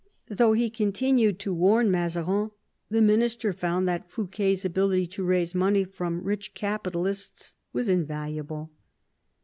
Though he continued to warn Mazarin, the minister found that Fouquet's ability to raise money from rich capitalists was invaluable.